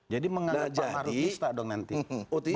jadi menganggap pak ma'ruf pesta dong nanti